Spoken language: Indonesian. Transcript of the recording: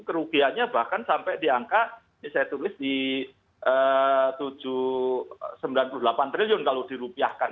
kerugiannya bahkan sampai di angka ini saya tulis di sembilan puluh delapan triliun kalau dirupiahkan